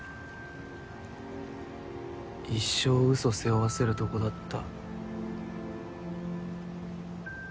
一生うそ背負わせるとこだった。